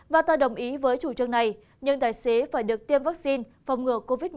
và tôi đồng ý với chủ trương này nhưng tài xế phải được tiêm vaccine phòng ngừa covid một mươi chín